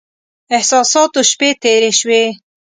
احساساتو شپې تېرې شوې.